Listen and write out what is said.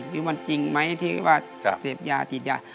มีวันจริงไหมที่ว่าเสพยาติดยา